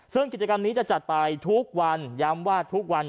ซึ่งกิจกรรมนี้จะจัดไปทุกวันย้ำว่าทุกวัน